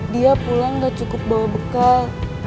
dia pulang gak cukup bawa bekal